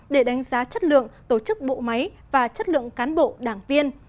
để đánh giá chất lượng tổ chức bộ máy và chất lượng cán bộ đảng viên